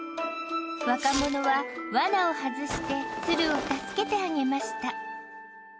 若者はワナを外してツルを助けてあげました。